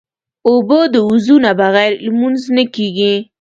اوبه د وضو نه بغیر لمونځ نه کېږي.